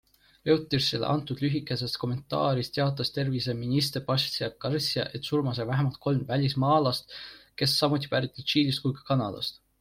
Reutersile antud lühikeses kommentaaris teatas terviseminister Patricia Garcia, et surma sai vähemalt kolm välismaalast, kes samuti pärit nii Tšiilist kui ka Kanadast.